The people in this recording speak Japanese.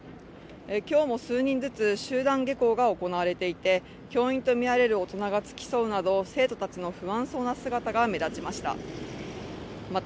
今日も数人ずつ集団下校が行われていて教員とみられる大人が付き添うなど、生徒たちの不安そうな姿が目立ちました。